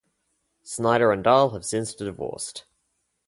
Snyder and Dahl have since divorced.